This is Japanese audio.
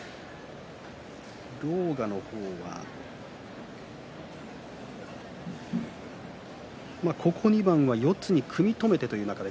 狼雅の方はここ２番は四つに組み止めてという流れ